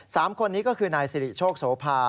สามคนนี้ก็คือนายสิริโชคโสภา